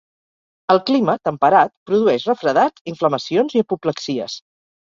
El clima, temperat, produeix refredats, inflamacions i apoplexies.